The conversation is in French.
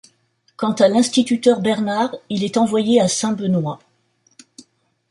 Quant à l'instituteur Bernard, il est envoyé à Saint-Benoît.